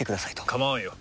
構わんよ。